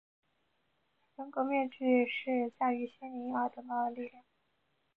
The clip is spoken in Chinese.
人格面具是驾驭心灵而得到的力量。